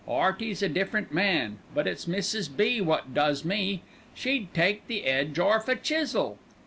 'Earty's a different man; but it's Mrs. B. wot does me. She'd take the edge orf a chisel.